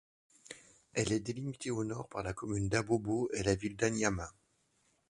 Elle est délimitée au nord par la commune d’Abobo et la ville d’Anyama.